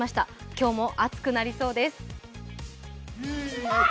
今日も暑くなりそうです。